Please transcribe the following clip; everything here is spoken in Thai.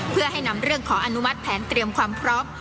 เพื่อให้นำเรื่องขออนุมัติแผนเตรียมความพร้อม